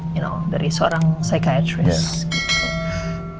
you know dari seorang psychiatrist gitu